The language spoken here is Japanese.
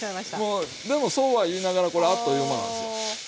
もうでもそうは言いながらこれあっという間なんですよ。